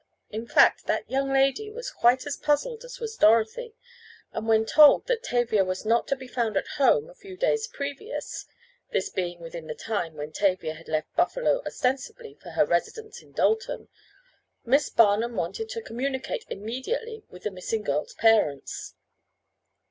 In fact that young lady was quite as puzzled as was Dorothy, and when told that Tavia was not to be found at home a few days previous (this being within the time when Tavia had left Buffalo ostensibly for her residence in Dalton), Miss Barnum wanted to communicate immediately with the missing girl's parents.